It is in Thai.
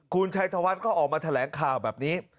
คุณชัยธวัฒน์ก็ออกมาแถลงข่าวแบบนี้